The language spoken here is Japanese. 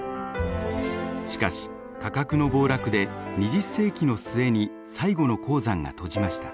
しかし価格の暴落で２０世紀の末に最後の鉱山が閉じました。